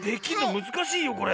むずかしいよこれ。